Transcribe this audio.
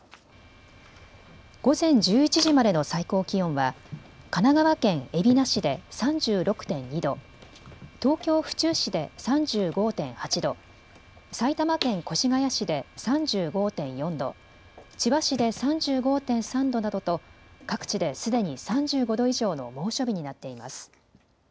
午前１１時までの最高気温は神奈川県海老名市で３６．２度、東京府中市で３５．８度、埼玉県越谷市で３５．４度、千葉市で３５．３度などと各地ですでに３５度以上の猛暑日になっています。